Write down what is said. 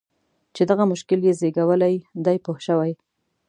چې دغه مشکل یې زېږولی دی پوه شوې!.